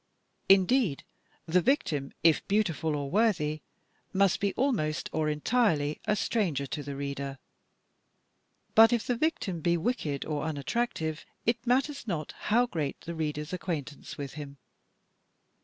Indeed, the victim, if beautiful or worthy, must be almost or entirely a stranger to the reader. But if the victim be wicked or un attractive, it matters not how great the reader's acquaintance PEHSONS IN THE STOKV 335 with him.